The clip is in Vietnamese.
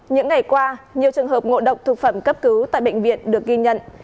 những ngày qua nhiều trường hợp ngộ độc thực phẩm cấp cứu tại bệnh viện được ghi nhận